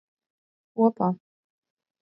Kopā.